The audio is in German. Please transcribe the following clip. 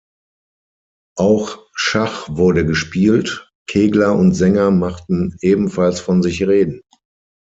Auch Schach wurde gespielt; Kegler und Sänger machten ebenfalls von sich reden.